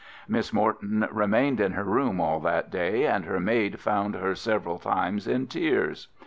Miss Morton remained in her room all that day, and her maid found her several times in tears.